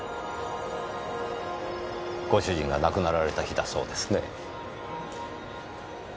ご主人が亡くなられた日だそうですね？